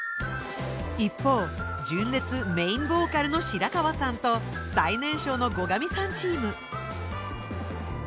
一方純烈メインボーカルの白川さんと最年少の後上さんチーム。